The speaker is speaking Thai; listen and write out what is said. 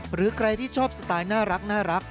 หรือใครที่ชอบสไตล์น่ารัก